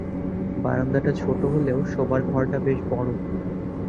বারান্দাটা ছোট হলেও শোবার ঘরটা বেশ বড়।